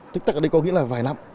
tích tắc ở đây có nghĩa là vài năm